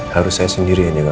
harus saya sendiri yang jaga kamu